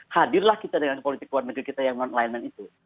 hadirlah kita dengan politik luar negeri kita yang non alignan itu